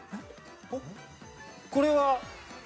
これは。